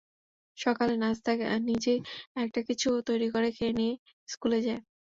সকালে নাশতা নিজেই একটা কিছু তৈরি করে খেয়ে নিয়ে স্কুলে যায়।